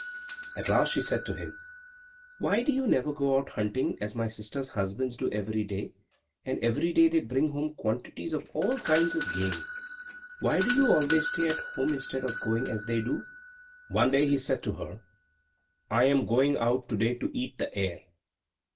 At last she said to him, "Why do you never go out hunting as my sisters' husbands do every day, and every day they bring home quantities of all kinds of game? Why do you always stay at home, instead of doing as they do?" One day he said to her, "I am going out to day to eat the air."